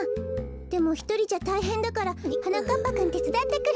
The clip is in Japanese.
でもひとりじゃたいへんだからはなかっぱくんてつだってくれない？